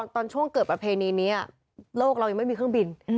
ตอนช่วงเกิดประเพณีนี้โลกเรายังไม่มีเครื่องบิน